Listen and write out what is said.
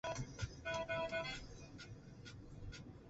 El guitarrista Dan Donegan comentó Draiman:.